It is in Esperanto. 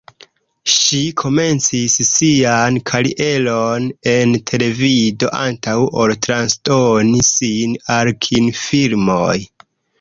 Ŝi komencis sian karieron en televido antaŭ ol transdoni sin al kinfilmoj.